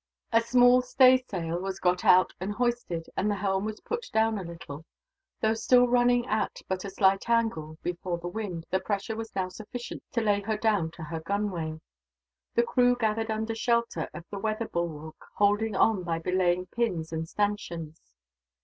A small stay sail was got out and hoisted, and the helm was put down a little. Though still running at but a slight angle before the wind, the pressure was now sufficient to lay her down to her gunwale. The crew gathered under shelter of the weather bulwark, holding on by belaying pins and stanchions.